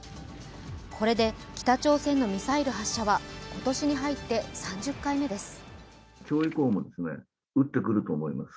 これで北朝鮮のミサイル発射は今年に入って３０回目です。